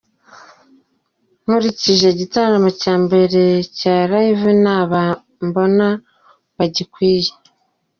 Nkurikije igitaramo cya mbere cya Live ni aba mbona bagikwiye”.